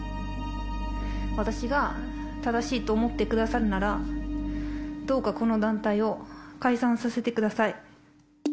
私が正しいと思ってくださるなら、どうかこの団体を解散させてください。